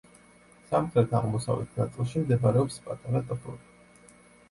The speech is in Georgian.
სამხრეთ-აღმოსავლეთ ნაწილში მდებარეობს პატარა ტბორი.